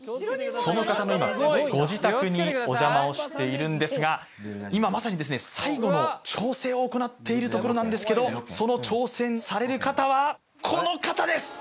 その方の今ご自宅にお邪魔をしているんですが今まさにですねところなんですけどその挑戦される方はこの方です